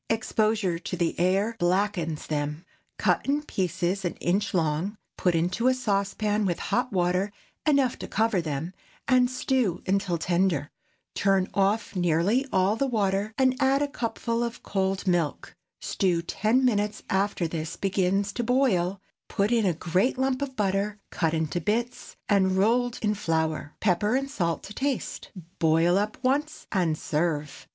Exposure to the air blackens them. Cut in pieces an inch long, put into a saucepan with hot water enough to cover them, and stew until tender. Turn off nearly all the water, and add a cupful of cold milk. Stew ten minutes after this begins to boil; put in a great lump of butter, cut into bits, and rolled in flour; pepper and salt to taste. Boil up once, and serve.